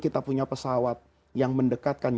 kita punya pesawat yang mendekatkan